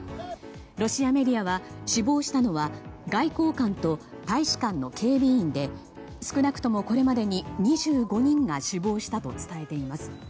ロシアメディアは死亡したのは外交官と大使館の警備員で少なくともこれまでに２５人が死亡したと伝えています。